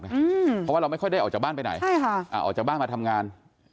เพราะว่าเราไม่ค่อยได้ออกจากบ้านไปไหนใช่ค่ะอ่าออกจากบ้านมาทำงาน